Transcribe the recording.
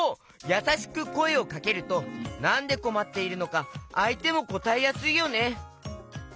やさしくこえをかけるとなんでこまっているのかあいてもこたえやすいよね！